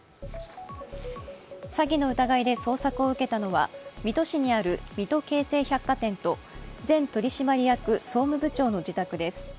詐欺の疑いで捜索を受けたのは水戸市にある水戸京成百貨店と前取締役総務部長の自宅です。